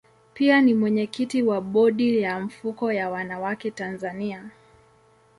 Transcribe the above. Pia ni mwenyekiti wa bodi ya mfuko wa wanawake Tanzania.